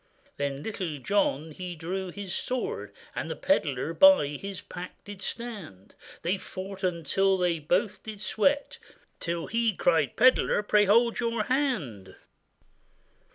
Then Little John he drew his sword; The pedlar by his pack did stand; They fought until they both did sweat, Till he cried, 'Pedlar, pray hold your hand!